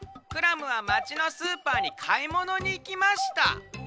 クラムはまちのスーパーにかいものにいきました。